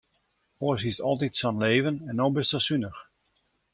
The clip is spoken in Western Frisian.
Oars hiest altyd sa'n leven en no bist sa sunich.